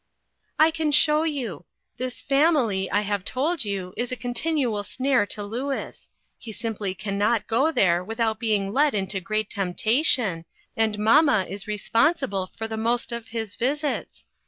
"I can show you. This family, I have told you, is a continual snare to Louis. He simply can not go there without being led into great temptation, and mamma is respon sible for the most of his visits.